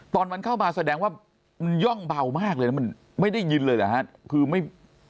ตอนมันเข้ามาแสดงว่าย่องเบามากเลยมันไม่ได้ยินเลยคือไม่